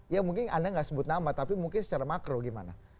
ya mungkin anda nggak sebut nama tapi mungkin secara makro gimana